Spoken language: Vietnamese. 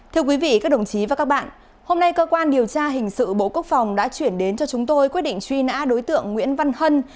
thưa quý vị các đồng chí và các bạn hôm nay cơ quan điều tra hình sự bộ quốc phòng đã chuyển đến cho chúng tôi quyết định truy nã đối tượng nguyễn văn hân